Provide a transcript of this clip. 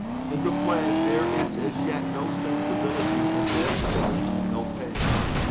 In the plant there is as yet no sensibility, and therefore no pain.